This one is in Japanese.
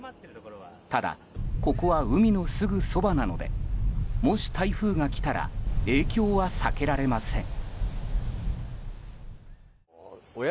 ただ、ここは海のすぐそばなのでもし台風が来たら影響は避けられません。